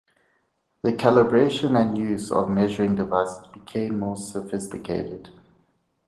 The calibration and use of measuring devices became more sophisticated.